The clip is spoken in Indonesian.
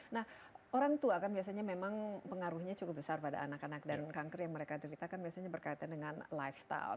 nah orang tua kan biasanya memang pengaruhnya cukup besar pada anak anak dan kanker yang mereka derita kan biasanya berkaitan dengan lifestyle